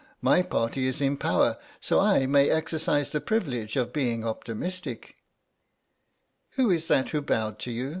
"My Party is in power so I may exercise the privilege of being optimistic. Who is that who bowed to you?"